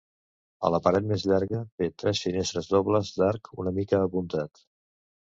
A la paret més llarga té tres finestres dobles d'arc una mica apuntat.